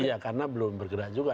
iya karena belum bergerak juga